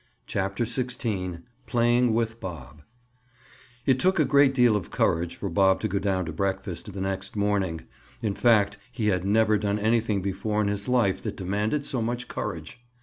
CHAPTER XVI—PLAYING WITH BOB It took a great deal of courage for Bob to go down to breakfast the next morning. In fact, he had never done anything before in his life that demanded so much courage.